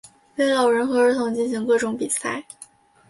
为老人和儿童进行各种比赛。